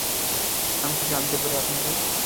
আমি কি জানতে পারি আপনি কে?